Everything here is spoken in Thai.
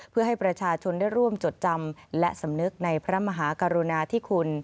เพื่อให้ประชาชนได้ร่วมจดจำและสำนึกในพระมหากรุณาธิคุณ